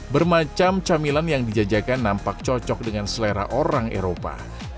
bermacam camilan yang dijajakan nampak cocok dengan selera orang eropa